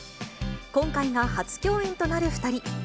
今回が初共演となる２人。